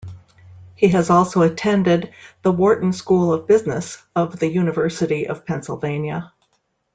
He has also attended the Wharton School of Business of the University of Pennsylvania.